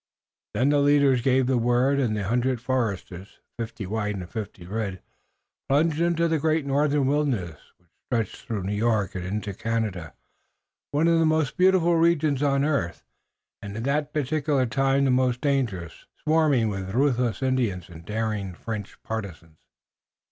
Then the leaders gave the word and the hundred foresters, fifty white and fifty red, plunged into the great northern wilderness which stretched through New York into Canada, one of the most beautiful regions on earth, and at that particular time the most dangerous, swarming with ruthless Indians and daring French partisans.